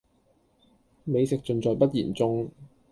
美食盡在不言中